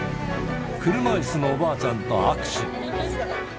車いすのおばあちゃんと握手。